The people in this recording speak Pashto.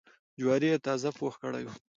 جواري یې تازه پوخ کړی و.